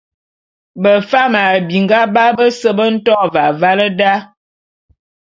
Befam a binga bap bese be nto ve avale da.